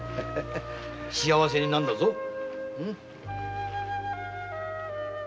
幸せになるんだぞ。